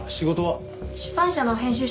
出版社の編集者です。